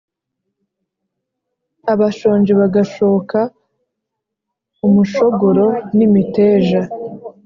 abashonji bagashoka umushogoro n’imiteja